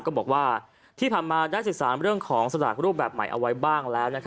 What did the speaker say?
ก็บอกว่าที่ผ่านมาได้ศึกษาเรื่องของสลากรูปแบบใหม่เอาไว้บ้างแล้ว